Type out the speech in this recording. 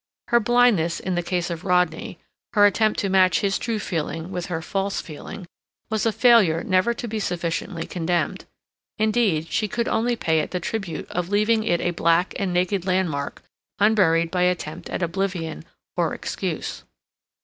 Her blindness in the case of Rodney, her attempt to match his true feeling with her false feeling, was a failure never to be sufficiently condemned; indeed, she could only pay it the tribute of leaving it a black and naked landmark unburied by attempt at oblivion or excuse.